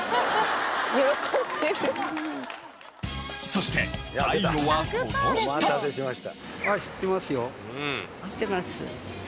そして最後はこの人。